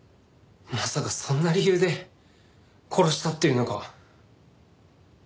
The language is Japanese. まさかそんな理由で殺したっていうのか？